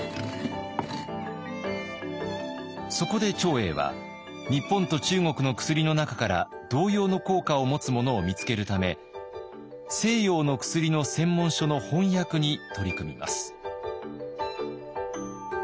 そこで長英は日本と中国の薬の中から同様の効果を持つものを見つけるため西洋の薬の専門書の翻訳に取り組みます。